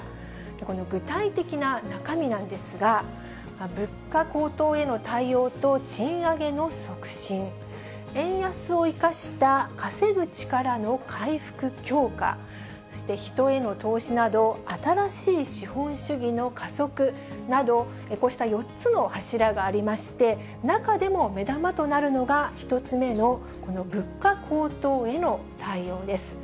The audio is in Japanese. この具体的な中身なんですが、物価高騰への対応と、賃上げの促進、円安を生かした稼ぐ力の回復・強化、そして人への投資など、新しい資本主義の加速など、こうした４つの柱がありまして、中でも目玉となるのが１つ目のこの物価高騰への対応です。